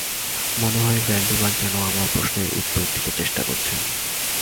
মনে হয়, ভ্যালডিমার যেন আমার প্রশ্নের উত্তর দিতে চেষ্টা করছেন।